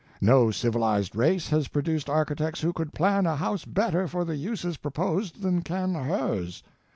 No civilized race has produced architects who could plan a house better for the uses proposed than can hers.